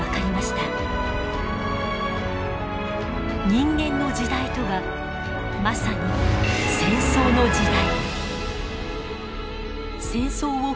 人間の時代とはまさに戦争の時代。